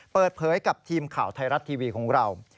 เปิดเผยกับทีมข่าวไทยรัฐทีวีของเรา